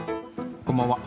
こんばんは。